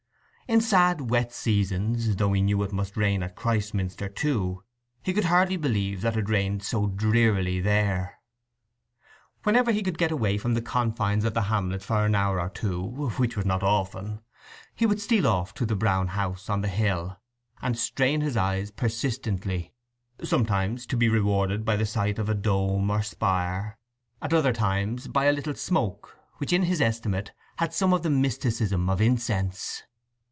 In sad wet seasons, though he knew it must rain at Christminster too, he could hardly believe that it rained so drearily there. Whenever he could get away from the confines of the hamlet for an hour or two, which was not often, he would steal off to the Brown House on the hill and strain his eyes persistently; sometimes to be rewarded by the sight of a dome or spire, at other times by a little smoke, which in his estimate had some of the mysticism of incense.